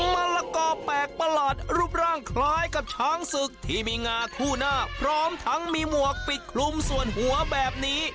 มะละกอแปลกประหลาดรูปร่างคล้ายกับช้างศึกที่มีงาคู่หน้าพร้อมทั้งมีหมวกปิดคลุมส่วนหัวแบบนี้